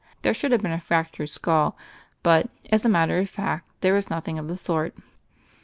There should have been a fractured skull, but, as a matter of fact, there was nothing of the sort.